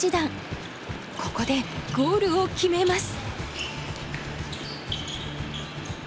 ここでゴールを決めます。